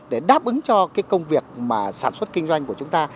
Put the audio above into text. để đáp ứng cho cái công việc mà sản xuất kinh doanh của chúng ta